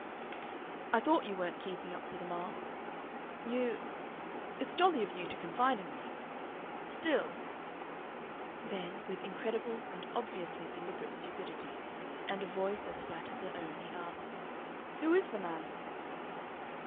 "I thought you weren't keeping up to the mark. You It's jolly of you to confide in me. Still " Then, with incredible and obviously deliberate stupidity, and a voice as flat as her own, he asked, "Who is the man?"